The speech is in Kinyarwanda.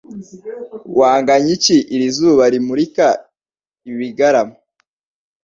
Wanganya iki iri zuba rimurika ibigarama,